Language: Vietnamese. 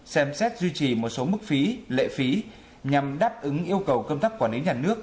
xem xét duy trì một số mức phí lệ phí nhằm đáp ứng yêu cầu công tác quản lý nhà nước